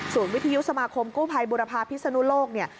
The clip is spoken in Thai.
วิทยุสมาคมกู้ภัยบุรพาพิศนุโลกเนี่ย